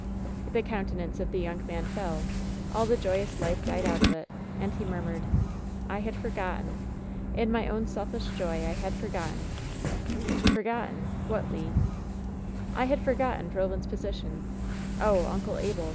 The countenance of the young man fell, all the joyous life died out of it, and he murmured: "I had forgotten! In my own selfish joy I had for gotten/" "Forgotten? What, Le?" "I had forgotten Roland's position. Oh, Uncle Abel!